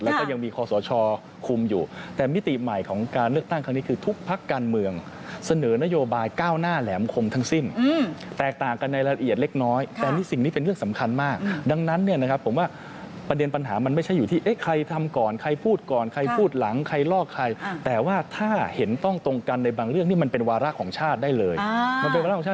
แน่นอนที่สุดผมคิดว่าแน่นอนที่สุดผมคิดว่าแน่นอนที่สุดผมคิดว่าแน่นอนที่สุดผมคิดว่าแน่นอนที่สุดผมคิดว่าแน่นอนที่สุดผมคิดว่าแน่นอนที่สุดผมคิดว่าแน่นอนที่สุดผมคิดว่าแน่นอนที่สุดผมคิดว่าแน่นอนที่สุดผมคิดว่าแน่นอนที่สุดผมคิดว่าแ